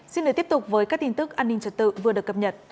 xin để tiếp tục với các tin tức an ninh trật tự vừa được cập nhật